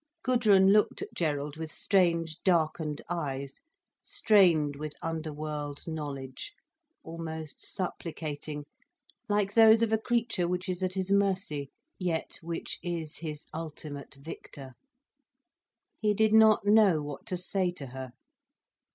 Gudrun looked at Gerald with strange, darkened eyes, strained with underworld knowledge, almost supplicating, like those of a creature which is at his mercy, yet which is his ultimate victor. He did not know what to say to her.